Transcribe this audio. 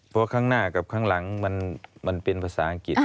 เพราะข้างหน้ากับข้างหลังมันเป็นภาษาอังกฤษ